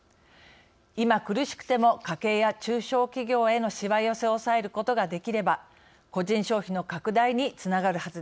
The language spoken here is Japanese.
今苦しくても家計や中小企業へのしわ寄せを抑えることができれば個人消費の拡大につながるはずです。